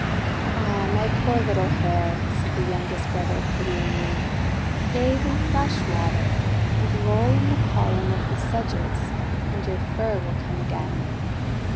"Ah, my poor little Hare!'* said the youngest brother pityingly. "Bathe in fresh water, and roll in the pollen of the sedges, and your fur will come again."